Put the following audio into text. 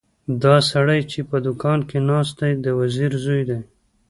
دا سړی چې په دوکان کې ناست دی د وزیر زوی دی.